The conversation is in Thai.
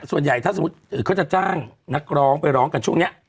ส่วนใหญ่ถ้าสมมุติเขาจะจ้างนักร้องไปร้องกันช่วงนี้